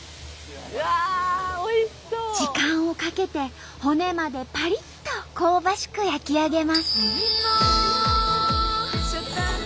時間をかけて骨までパリッと香ばしく焼き上げます。